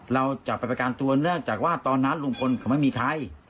เราจะไปประกันตัวเนื่องจากว่าตอนนั้นลุงพลเขาไม่มีใคร